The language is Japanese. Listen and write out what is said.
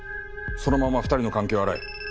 そのまま２人の関係を洗え。